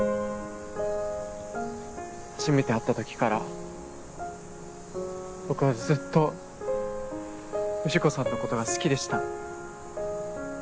初めて会った時から僕はずっと藤子さんのことが好きでした。